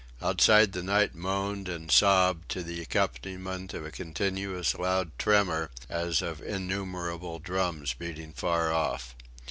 Outside the night moaned and sobbed to the accompaniment of a continuous loud tremor as of innumerable drums beating far off.